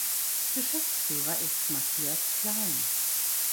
Geschäftsführer ist Matthias Klein.